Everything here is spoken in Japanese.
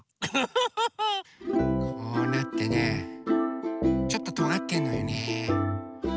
こうなってねちょっととがってんのよね。